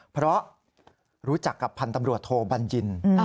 เพราะรู้จักกับพันธ์ตำรวจโทบัญญิน